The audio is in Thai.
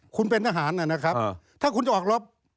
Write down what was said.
คุณเป็นทหารนะครับถ้าคุณจะออกรบ